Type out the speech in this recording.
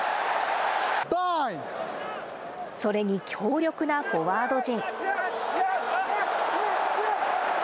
それに強力なフォワード陣。